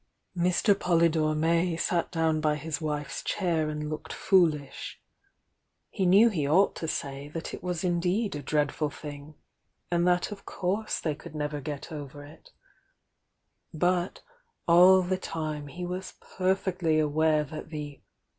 ¥r fo'y^ore ^lay sat down by his wife's chair and looked foolish. He knew he r,.|,rht to say that It waa indeed a dreadful thing, a, id that of pnurse they could never get over it, l m yl! tiio vi im he wa» perfectly aware that the